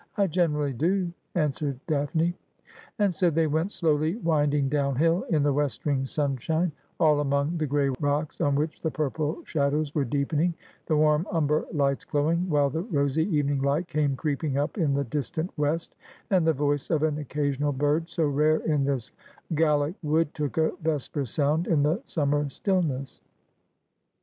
' I generally do,' answered Daphne. And so they went slowly winding downhill in the westering sunshine, all among the gray rocks on which the purple shadows were deepening, the warm umber lights glowing, while the rosy evening light came creeping up in the distant west, and the voice of an occasional bird, so rare in this Gallic wood, took a vesper sound in the summer stillness.